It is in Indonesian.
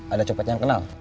ada copet yang kenal